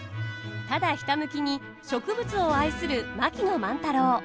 ただ、ひたむきに植物を愛する槙野万太郎。